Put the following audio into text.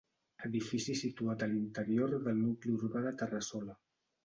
Edifici situat a l'interior del nucli urbà de Terrassola.